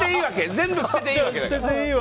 全部捨てていいわけだから。